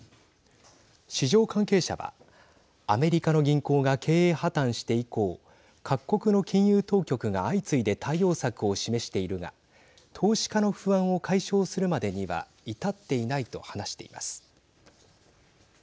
市場関係者はアメリカの銀行が経営破綻して以降各国の金融当局が相次いで対応策を示しているが投資家の不安を解消するまでには至っていないと話しています。